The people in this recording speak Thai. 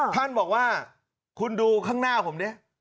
ท่านบอกว่าคุณดูข้างหน้าผมดิ